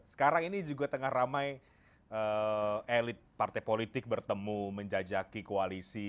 sekarang ini juga tengah ramai elit partai politik bertemu menjajaki koalisi